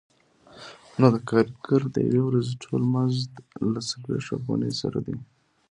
نو د کارګر د یوې ورځې ټول مزد له څلوېښت افغانیو سره دی